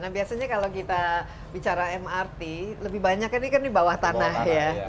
nah biasanya kalau kita bicara mrt lebih banyak ini kan di bawah tanah ya